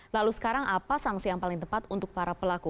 lalu sekarang apa sanksi yang paling tepat untuk para pelaku